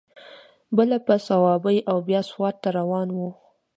بله په صوابۍ او بیا سوات ته روان و.